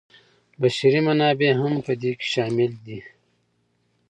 بشري منابع هم په دې کې شامل دي.